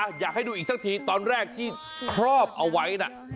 อยากให้ดูอีกสักทีตอนแรกที่ครอบเอาไว้นะ